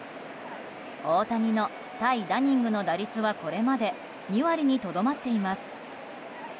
大谷の対ダニングの打率はこれまで２割にとどまっています。